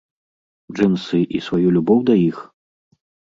Джынсы і сваю любоў да іх?!